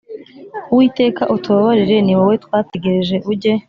Uwiteka utubabarire ni wowe twategereje ujye